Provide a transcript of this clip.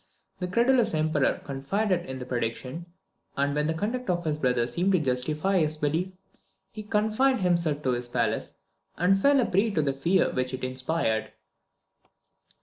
The credulous Emperor confided in the prediction, and when the conduct of his brother seemed to justify his belief, he confined himself to his palace, and fell a prey to the fear which it inspired.